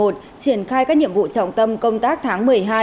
triển khai các nhiệm vụ trọng tâm công tác tháng một mươi hai